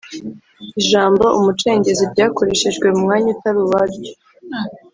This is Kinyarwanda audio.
Ijambo “Umucengezi” ryakoreshejwe mu mwanya utari uwaryo